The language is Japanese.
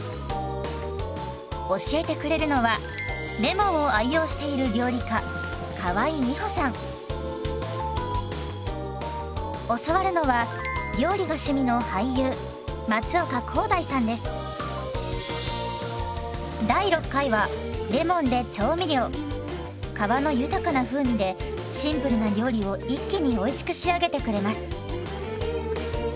教えてくれるのはレモンを愛用している教わるのは皮の豊かな風味でシンプルな料理を一気においしく仕上げてくれます。